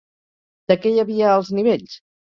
De què hi havia alts nivells?